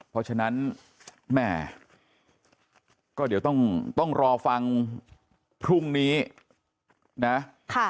เพราะฉะนั้นแม่ก็เดี๋ยวต้องรอฟังพรุ่งนี้นะ